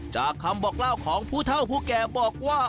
จากคำบอกเล่าของผู้เท่าผู้แก่บอกว่า